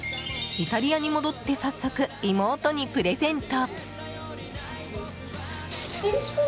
イタリアに戻って早速、妹にプレゼント！